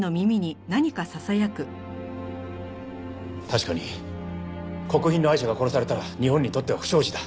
確かに国賓のアイシャが殺されたら日本にとっては不祥事だ。